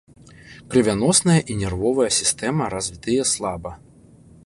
Крывяносная і нервовая сістэмы развітыя слаба.